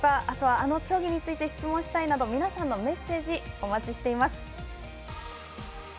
あとは、あの競技について質問したいなど皆さんのメッセージお待ちしています。